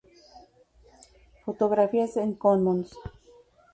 Fotografías en Commons.